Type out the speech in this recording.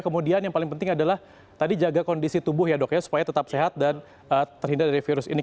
kemudian yang paling penting adalah tadi jaga kondisi tubuh ya dok ya supaya tetap sehat dan terhindar dari virus ini